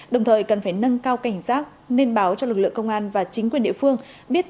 đồng thời cần phải nâng cao cảnh giác nên báo cho lực lượng công an và chính quyền địa phương biết